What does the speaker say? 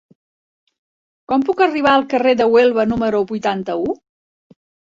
Com puc arribar al carrer de Huelva número vuitanta-u?